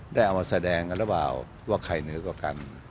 ได้เอามาแสดงกันหรือเปล่าว่าใครเหนือกว่ากัน